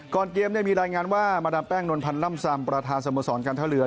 ก่อนเกมมีรายงานว่ามาดามแป้งนนพันลำซามประธานสมสรรค์การเท้าเรือ